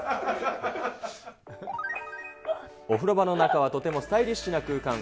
お風呂場の中はとてもスタイリッシュな空間。